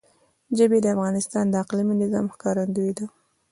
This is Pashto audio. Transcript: ژبې د افغانستان د اقلیمي نظام ښکارندوی ده.